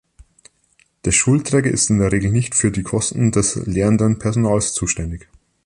Der Schulträger ist in der Regel nicht für die Kosten des lehrenden Personals zuständig.